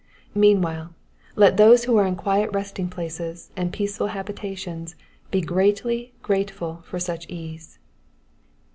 Meanwhile, let those who are in quiet resting places and peaceful habitations be greatly grateful for such ease.